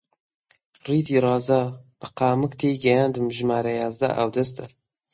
ڕیتی ڕازا! بە قامک تێیگەیاندم ژمارە یازدە ئاودەستە